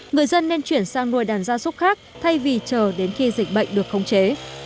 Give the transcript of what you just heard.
người dân nên chuyển sang nuôi đàn gia súc khác thay vì chờ đến khi dịch bệnh được khống chế